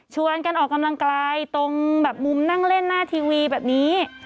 กันออกกำลังกายตรงแบบมุมนั่งเล่นหน้าทีวีแบบนี้